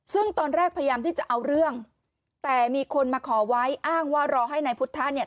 ซึ่งตอนแรกพยายามที่จะเอาเรื่องแต่มีคนมาขอไว้อ้างว่ารอให้นายพุทธะเนี่ย